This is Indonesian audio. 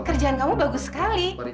kerjaan kamu bagus sekali